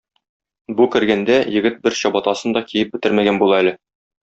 Бу кергәндә, егет бер чабатасын да киеп бетермәгән була әле.